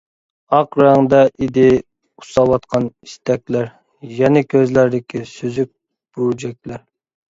ئاق رەڭدە ئىدى ئۇسساۋاتقان ئىستەكلەر، يەنە كۆزلەردىكى سۈزۈك بۇرجەكلەر.